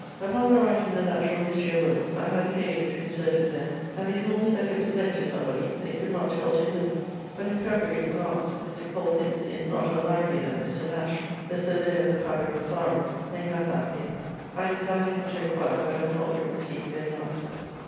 Upon my writing The Natural History of Wilts, I had occasion to insert it there, and they told me that it was lent to somebody they could not tell to whom. But in Febr. last Mr. Cole thinks it not unlikely that Mr. Nash (the surveyor of the fabrick) of Sarum may have that paper. I desired him to enquire but have not yet received any answer.